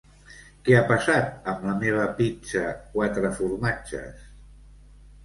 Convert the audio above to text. Què ha passat amb la meva pizza quatre formatges?